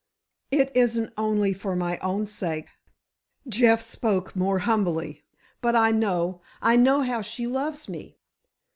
"It isn't only for my own sake"—Jeff spoke more humbly; "but I know—I know how she loves me.